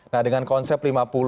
nah dengan konsep